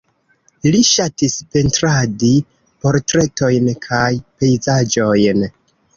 Li ŝatis pentradi portretojn kaj pejzaĝojn.